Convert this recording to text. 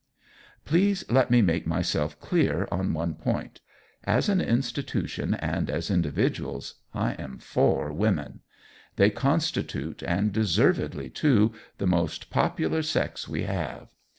Please let me make myself clear on one point: As an institution, and as individuals, I am for women. They constitute, and deservedly too, the most popular sex we have.